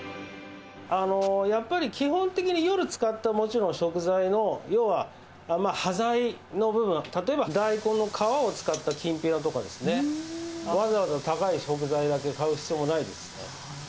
やっぱり、基本的に夜使ったもちろん食材の、ようは端材の部分、例えば大根の皮を使ったきんぴらとかですね、わざわざ高い食材だけ買う必要もないです。